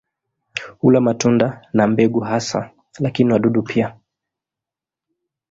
Hula matunda na mbegu hasa, lakini wadudu pia.